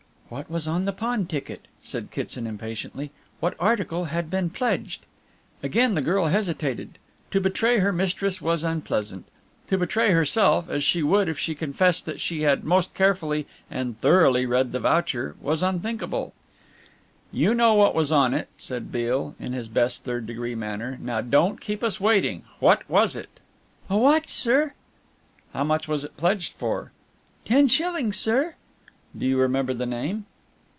"What was on the pawn ticket?" said Kitson impatiently. "What article had been pledged?" Again the girl hesitated. To betray her mistress was unpleasant. To betray herself as she would if she confessed that she had most carefully and thoroughly read the voucher was unthinkable. "You know what was on it," said Beale, in his best third degree manner, "now don't keep us waiting. What was it?" "A watch, sir." "How much was it pledged for?" "Ten shillings, sir." "Do you remember the name."